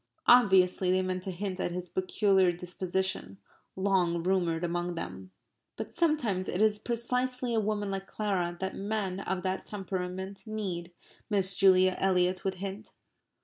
Obviously they meant to hint at his peculiar disposition long rumoured among them. "But sometimes it is precisely a woman like Clara that men of that temperament need..." Miss Julia Eliot would hint.